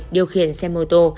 điều khiển xe mô tô